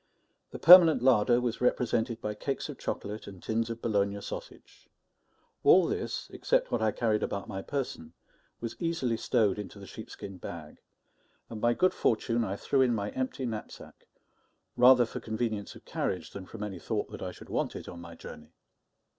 The permanent larder was represented by cakes of chocolate and tins of Bologna sausage. All this, except what I carried about my person, was easily stowed into the sheepskin bag; and by good fortune I threw in my empty knapsack, rather for convenience of carriage than from any thought that I should want it on my journey.